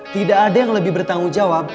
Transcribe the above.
tidak ada yang lebih bertanggung jawab